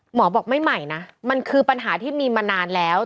หมอบอกไม่ใหม่นะมันคือปัญหาที่มีมานานแล้ว